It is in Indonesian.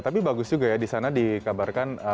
tapi bagus juga ya disana dikabarkan